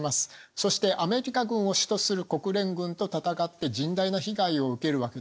そしてアメリカ軍を主とする国連軍と戦って甚大な被害を受けるわけですね。